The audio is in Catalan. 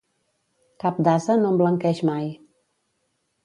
Cap d'ase no emblanqueix mai.